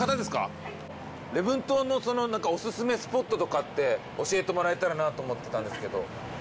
はい礼文島のその何かお薦めスポットとかって教えてもらえたらなと思ってたんですけど